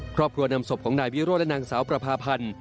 ครอบครัวนำศพของนายวิโรธและนางสาวประพาพันธ์